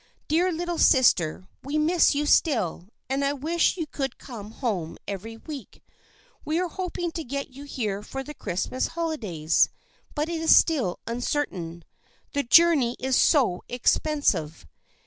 Dear little sister, we miss you still, and I wish you could come home every week. We are hoping to get you here for the Christmas holidays, but it is still uncertain. The journey is so expensive